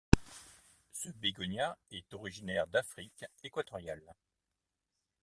Ce bégonia est originaire d'Afrique équatoriale.